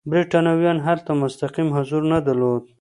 برېټانویانو هلته مستقیم حضور نه درلود.